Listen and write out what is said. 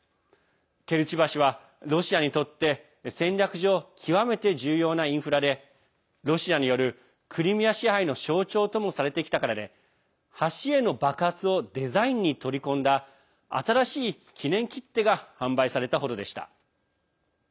ケルチ橋はロシアにとって戦略上、極めて重要なインフラでロシアによるクリミア支配の象徴ともされてきたからで橋への爆発をデザインに取り込んだ新しい記念切手が販売された程でした。